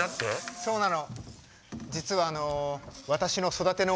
そうなの。